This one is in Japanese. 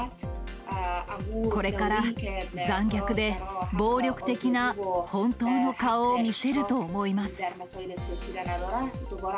これから残虐で暴力的な本当の顔を見せると思います。